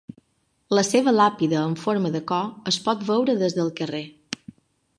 La seva làpida amb forma de cor es pot veure des del carrer.